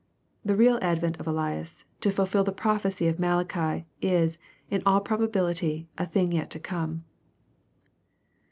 The real" advent of Elias, to fulfil the prophecy of Mal achi, is, in all probability, a thing yet to come.